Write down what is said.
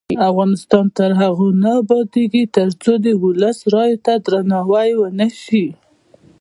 افغانستان تر هغو نه ابادیږي، ترڅو د ولس رایې ته درناوی ونشي.